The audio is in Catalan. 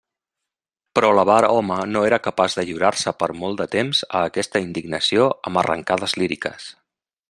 Però l'avar home no era capaç de lliurar-se per molt de temps a aquesta indignació amb arrancades líriques.